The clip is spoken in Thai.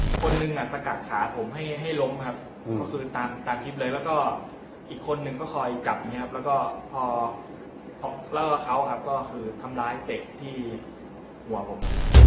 คนนึงสกัดขาผมให้ให้ล้มครับก็คือตามคลิปเลยแล้วก็อีกคนนึงก็คอยจับอย่างนี้ครับแล้วก็พอเลิกกับเขาครับก็คือทำร้ายเตะที่หัวผม